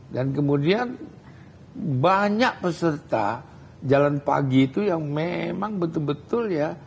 dan kemudian banyak peserta jalan pagi itu yang memang betul betul ya